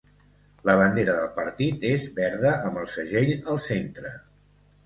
La bandera del partit és verda amb el segell al centre.